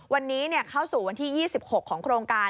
วันนี้เข้าสู่วันที่๒๖ของโครงการ